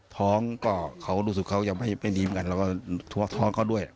ท้องก็เขารู้สึกเขายังไม่ดีเหมือนกันแล้วก็ท้องเขาด้วย